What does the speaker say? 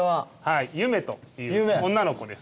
「ゆめ」という女の子です。